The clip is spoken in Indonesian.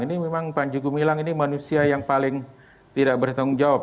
ini memang panji gumilang ini manusia yang paling tidak bertanggung jawab